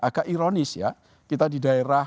agak ironis ya kita di daerah